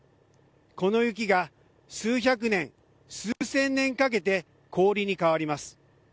この雪が数百年数千年かけて氷に変わります。